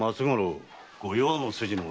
御用の筋の者だ。